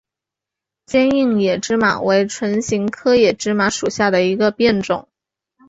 坚硬野芝麻为唇形科野芝麻属下的一个变种。